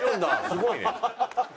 すごいね。